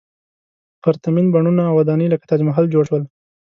پرتمین بڼونه او ودانۍ لکه تاج محل جوړ شول.